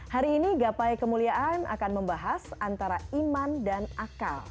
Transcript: hari ini gapai kemuliaan akan membahas antara iman dan akal